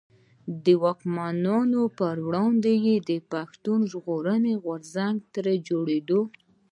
د واکمنو پر وړاندي يې د پښتون ژغورني غورځنګ تر جوړېدو.